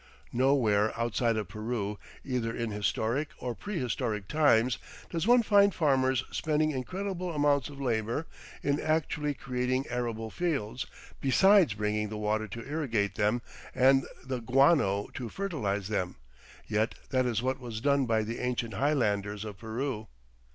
Nowhere outside of Peru, either in historic or prehistoric times, does one find farmers spending incredible amounts of labor in actually creating arable fields, besides bringing the water to irrigate them and the guano to fertilize them; yet that is what was done by the ancient highlanders of Peru.